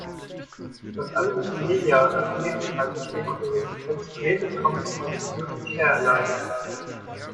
Fast alle Wikimedia-Projektinhalte stehen unter der Lizenz "Creative Commons Attribution Share Alike".